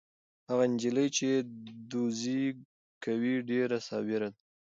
هغه نجلۍ چې دوزي کوي ډېره صابره ده.